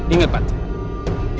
ingat pak tiyun